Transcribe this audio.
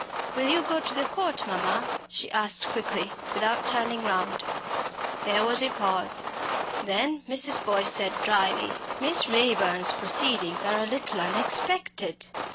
"Will you go to the Court, mamma?" she asked quickly, without turning round. There was a pause. Then Mrs. Boyce said drily "Miss Raeburn's proceedings are a little unexpected.